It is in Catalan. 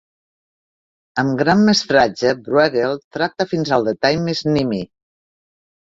Amb gran mestratge Brueghel tracta fins al detall més nimi.